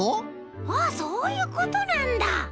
ああそういうことなんだ。